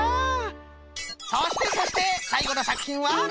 そしてそしてさいごのさくひんは。